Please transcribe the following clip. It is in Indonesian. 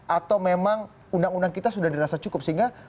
atau memang undang undang kita sudah dirasa cukup sehingga